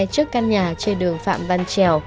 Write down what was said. trước căn nhà trên đường phạm văn trèo